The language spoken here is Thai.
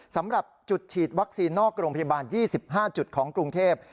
สำหรับจุดฉีดวัคซีนนอกโรงพยาบาล๒๕จุดของกรุงเทพ